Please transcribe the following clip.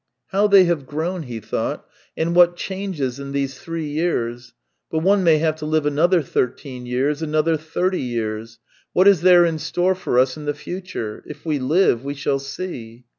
" How they have grown !" he thought. " And what changes in these three years. ... But one may have to live another thirteen years, another thirty years. ... What is there in store for us in the future ? H we live, we shall see."